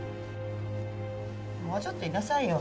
もうちょっといなさいよ。